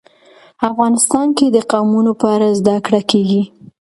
افغانستان کې د قومونه په اړه زده کړه کېږي.